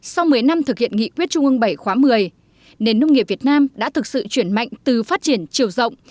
sau một mươi năm thực hiện nghị quyết trung ương bảy khóa một mươi nền nông nghiệp việt nam đã thực sự chuyển mạnh từ phát triển chiều rộng